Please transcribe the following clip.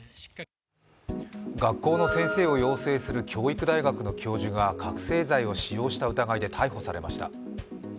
学校の先生を教育する教育大学の教授が覚醒剤を使用した疑いで逮捕されました。